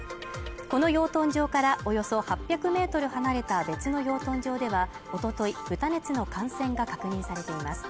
この養豚場からおよそ８００メートル離れた別の養豚場ではおととい豚熱の感染が確認されています